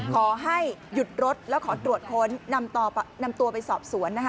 ขอให้หยุดรถแล้วขอตรวจค้นนำตัวไปสอบสวนนะคะ